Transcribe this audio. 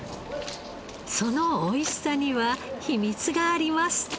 そのおいしさには秘密があります。